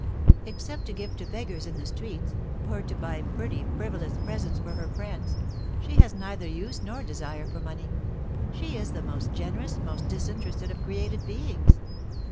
Except to give to beggars in the streets, or to buy pretty frivolous presents for her friends, she has neither use nor desire for money. She is the most generous, most disinterested of created beings."